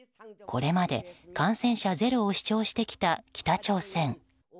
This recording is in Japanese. これまで、感染者ゼロを主張してきた北朝鮮。